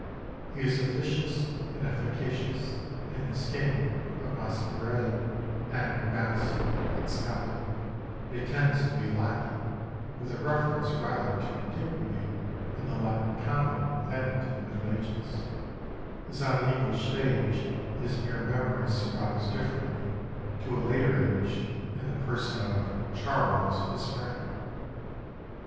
He is officious and efficacious in the skin of Mascarille and Ergaste and Scapin; but he tends to be a lacquey, with a reference rather to Antiquity and the Latin comedy than to the Middle Ages, as on the English stage his mere memory survives differently to a later age in the person of "Charles, his friend."